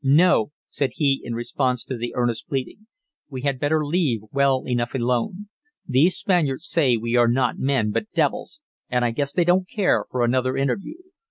"No," said he in response to the earnest pleading. "We had better leave well enough alone. These Spaniards say we are not men, but devils, and I guess they don't care for another interview.